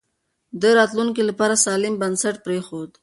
ده د راتلونکي لپاره سالم بنسټ پرېښود.